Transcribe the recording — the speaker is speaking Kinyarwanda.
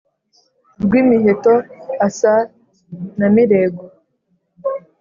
rwimiheto asa na mirego.